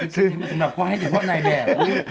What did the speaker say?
สืบมาสำหรับความให้ดูพ่อในแบบ